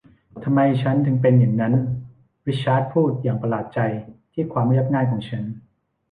ทำไมฉันถึงเป็นอย่างนั้นริชาร์ดพูดอย่างประหลาดใจที่ความเรียบง่ายของฉัน